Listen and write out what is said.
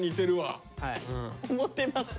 思ってますか？